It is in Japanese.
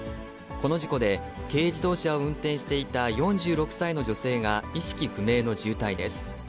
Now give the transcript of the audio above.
この事故で、軽自動車を運転していた４６歳の女性が意識不明の重体です。